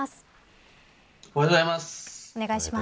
おはようございます。